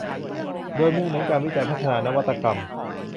โดยมุ่งเน้นการวิจัยพัฒนานวัตกรรม